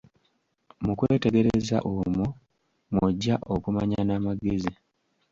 Mu kwetegereza omwo mw'oggya okumanya n'amagezi.